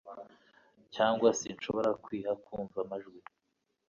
Cyangwa sinshobora kwiha kumva amajwi